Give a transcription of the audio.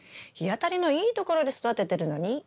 日当たりのいいところで育ててるのに？